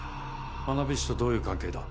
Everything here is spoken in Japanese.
花火師とどういう関係だ？